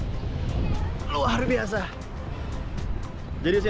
satu donat raksasa ini bisa digunakan untuk satu orang dewasa dan satu anak anak jadi tidak perlu